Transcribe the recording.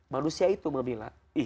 manusia itu memilah ih